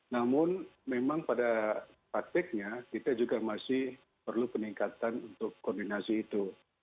namun memang pada prakteknya kita juga masih perlu peningkatan untuk koordinasi itu